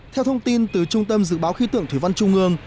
theo thông tin từ trung tâm dự báo khí tượng thủy văn trung ương